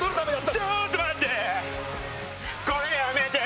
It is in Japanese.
ちょっと待って！